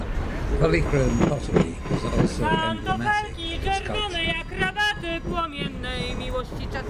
Polychrome pottery was also emblematic of its culture.